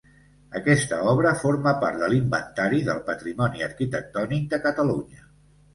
Aquesta obra forma part de l'Inventari del Patrimoni Arquitectònic de Catalunya.